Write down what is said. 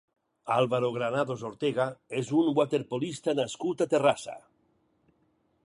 Álvaro Granados Ortega és un waterpolista nascut a Terrassa.